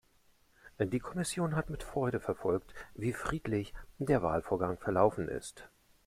Die Kommission hat mit Freude verfolgt, wie friedlich der Wahlvorgang verlaufen ist.